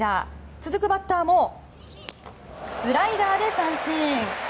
続くバッターもスライダーで三振。